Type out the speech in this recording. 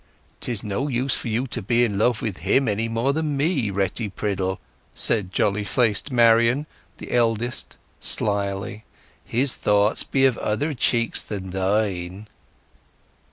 "'Tis no use for you to be in love with him any more than me, Retty Priddle," said jolly faced Marian, the eldest, slily. "His thoughts be of other cheeks than thine!"